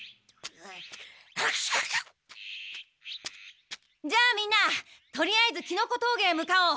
ヘックション！じゃあみんなとりあえずキノコ峠へ向かおう！